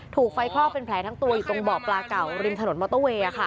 ถูกไฟคลอกเป็นแผลทั้งตัวอยู่ตรงบ่อปลาเก่าริมถนนมอเตอร์เวย์